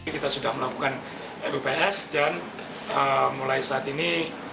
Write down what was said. kita sudah melakukan rups dan mulai saat ini